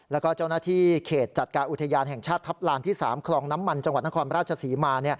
แล้วก็เจ้าหน้าที่เขตจัดการอุทยานแห่งชาติทัพลานที่๓คลองน้ำมันจังหวัดนครราชศรีมา